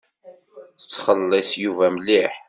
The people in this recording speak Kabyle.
Tettxelliṣ Yuba mliḥ.